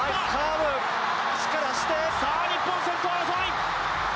さあ日本、先頭争い！